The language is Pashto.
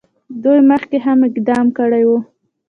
دوی مخکې هم اقدام کړی وو.